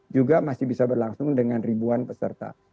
juga masih bisa berlangsung dengan ribuan peserta